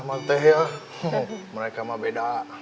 mereka mah beda